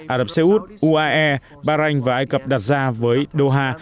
ả rập xê út uae bahrain và ai cập đặt ra với doha